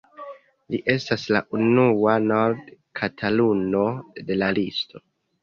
Li estas la unua nord-Kataluno de la listo.